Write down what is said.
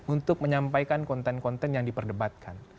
untuk menyampaikan konten konten yang diperdebatkan